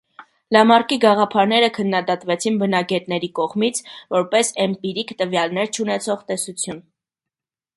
Լամարկի գաղափարները քննադատվեցին բնագետների կողմից, որպես էմպիրիկ տվյալներ չունեցող տեսություն։